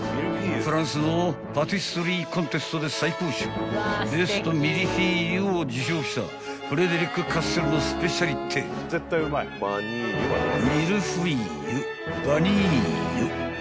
［フランスのパティスリーコンテストで最高賞ベストミルフィーユを受賞したフレデリック・カッセルのスペシャリテミルフイユ・ヴァニーユ］